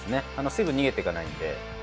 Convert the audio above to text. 水分逃げてかないんで。